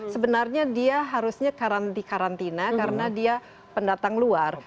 sebenarnya dia harusnya dikarantina karena dia pendatang luar